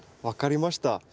分かりました。